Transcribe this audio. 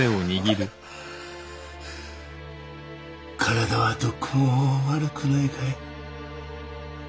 体はどこも悪くないかい？